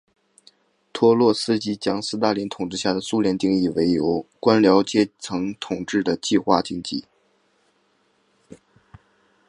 托洛茨基将斯大林统治下的苏联定义为由官僚阶层统治的计划经济。